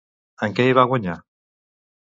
En què hi va guanyar?